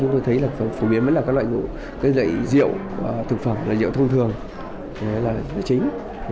tôi thấy phổ biến là các loại rượu thực phẩm rượu thông thường là chính